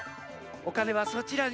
おかねはそちらに。